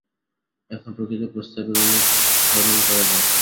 এখন প্রকৃত প্রস্তাবের অনুসরণ করা যাক।